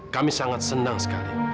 kami sangat senang sekali